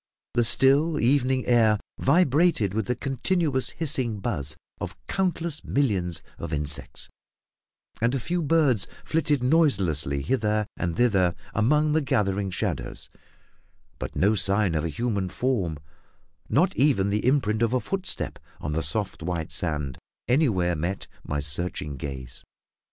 The still, evening air vibrated with the continuous hissing buzz of countless millions of insects, and a few birds flitted noiselessly hither and thither among the gathering shadows; but no sign of a human form, not even the imprint of a footstep on the soft white sand, anywhere met my searching gaze.